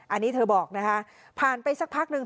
อันนี้เธอบอกนะคะผ่านไปสักพักหนึ่ง